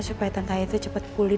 supaya tante ayu tuh cepet pulih